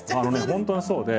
本当にそうで。